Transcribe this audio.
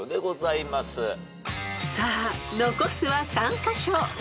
［さあ残すは３カ所］